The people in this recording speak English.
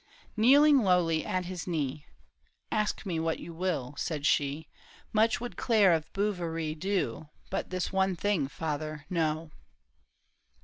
Kneeling lowly at his knee, *' Ask me what you will," said she, " Much would Claire of Bouverie do, But this one thing, father, no."